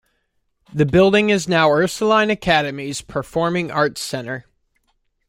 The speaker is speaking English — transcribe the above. The building is now Ursuline Academy's Performing Arts Center.